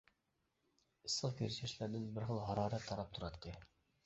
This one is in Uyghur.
ئىسسىق كۆز ياشلاردىن بىر خىل ھارارەت تاراپ تۇراتتى.